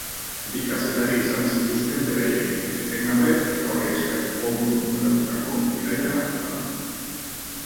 Bi kazetari izan zituzten beraiekin etengabe eta horri esker ondo dokumentatutako bidaia da.